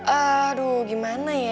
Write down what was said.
aduh gimana ya